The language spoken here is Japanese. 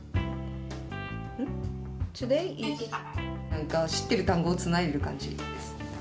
なんか、知ってる単語をつないでいる感じですね。